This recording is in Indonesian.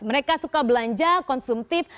mereka suka belanja konsumtif